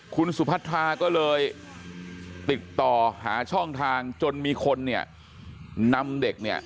คุณสุภัทราก็เลยติดต่อหาช่องทางจนมีคนนำเด็ก